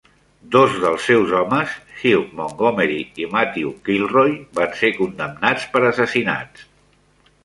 Dos dels seus homes, Hugh Montgomery i Matthew Kilroy, van ser condemnats per assassinats.